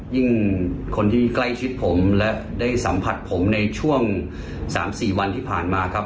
คนที่ใกล้ชิดผมและได้สัมผัสผมในช่วง๓๔วันที่ผ่านมาครับ